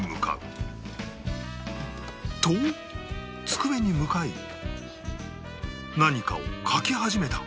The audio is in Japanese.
机に向かい何かを描き始めた